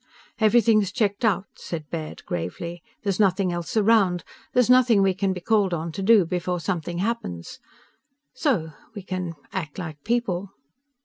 "Everything's checked out," said Baird gravely. "There's nothing else around. There's nothing we can be called on to do before something happens. So ... we can ... act like people."